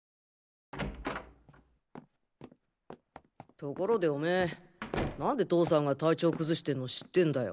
ところでオメーなんで父さんが体調崩してんの知ってんだよ？